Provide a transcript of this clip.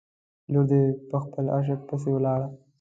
لور دې په خپل عاشق پسې ولاړه.